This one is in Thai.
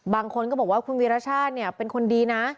บางคนก็บอกว่าคุณวิราชาติเป็นคนดีนะ